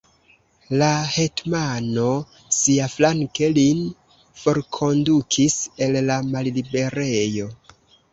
La hetmano siaflanke lin forkondukis el la malliberejo!